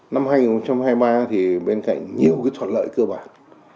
năm hai nghìn hai mươi ba thì bên cạnh nhiều cái thuật lợi cơ bản